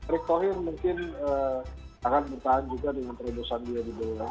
rick tohir mungkin akan bertahan juga dengan perubusan dia di dulu